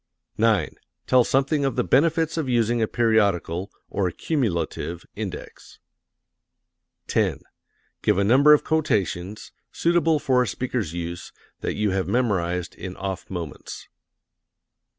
9. Tell something of the benefits of using a periodical (or cumulative) index. 10. Give a number of quotations, suitable for a speaker's use, that you have memorized in off moments.